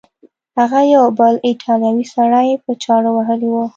هغه یو بل ایټالوی سړی په چاړه وهلی و.